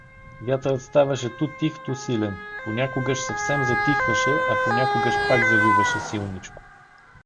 Вятърът ставаше ту тих, ту силен: понякогаж съвсем затихваше, а понякогаж пак завиваше силничко.